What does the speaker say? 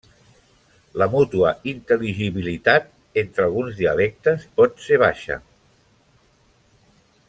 La mútua intel·ligibilitat entre alguns dialectes pot ser baixa.